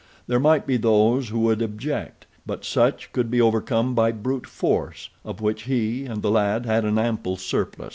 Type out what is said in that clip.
There might be those who would object; but such could be overcome by brute force, of which he and the lad had an ample surplus.